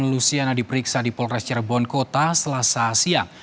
lusiana diperiksa di polres cirebon kota selasa siang